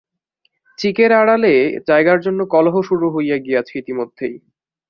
চিকের আড়ালে জায়গার জন্য কলহ শুরু হইয়া গিয়াছে ইতিমধ্যেই।